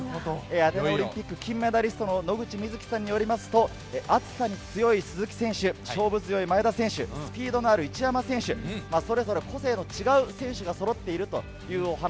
アテネオリンピック金メダリストの野口みずきさんによりますと、暑さに強い鈴木選手、勝負強い前田選手、スピードのある一山選手、それぞれ個性の違う選手がそろっているというお話。